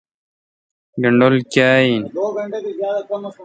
گنڈول کاں این